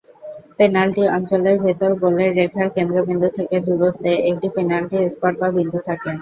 Penalty অঞ্চলের ভেতর, গোলের রেখার কেন্দ্রবিন্দু থেকে দূরত্বে, একটি পেনাল্টি স্পট বা বিন্দু থাকে।